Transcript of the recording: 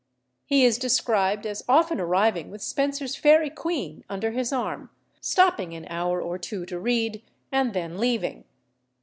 He is described as often arriving with Spenser's Faerie Queen under his arm, stopping an hour or two to read, and then leaving.